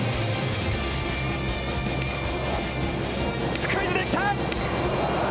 スクイズで来た！